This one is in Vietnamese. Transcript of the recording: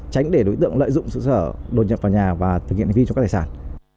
tránh để đối tượng lợi dụng sự sở đột nhập vào nhà và thực hiện hành vi trộm cắp tài sản